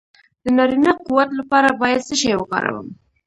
د نارینه قوت لپاره باید څه شی وکاروم؟